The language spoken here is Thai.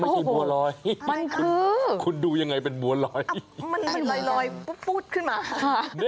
บัวลอยคุณดูยังไงเป็นบัวลอยมันลอยปุ๊บขึ้นมาค่ะ